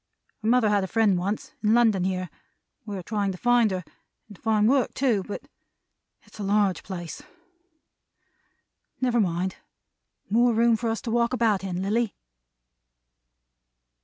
Her mother had a friend once, in London here. We are trying to find her, and to find work too; but it's a large place. Never mind. More room for us to walk about in, Lilly!"